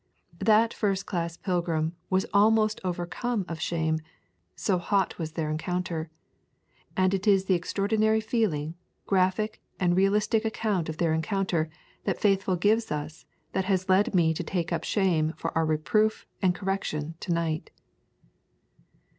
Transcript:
That first class pilgrim was almost overcome of Shame, so hot was their encounter; and it is the extraordinarily feeling, graphic, and realistic account of their encounter that Faithful gives us that has led me to take up Shame for our reproof and correction to night.